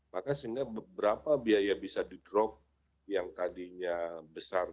maka sehingga beberapa biaya bisa di drop yang tadinya besar